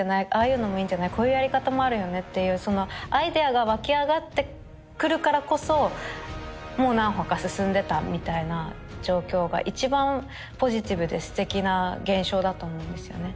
いうのもいいんじゃないこういうやり方もあるよねっていうそのアイデアが湧き上がってくるからこそもう何歩か進んでたみたいな状況が一番ポジティブで素敵な現象だと思うんですよね